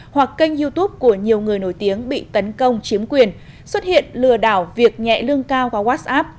hoặc kênh youtube của nhiều người nổi tiếng bị tấn công chiếm quyền xuất hiện lừa đảo việc nhẹ lương cao qua whatsapp